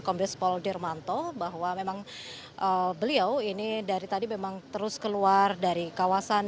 kombes pol dirmanto bahwa memang beliau ini dari tadi memang terus keluar dari kawasan